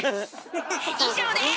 以上です！